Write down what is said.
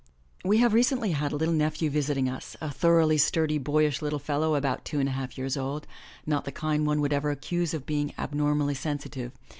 We have recently had a little nephew visiting us, a thoroughly sturdy, boyish little fellow about two and a half years old, not the kind one would ever accuse of being abnormally sensitive.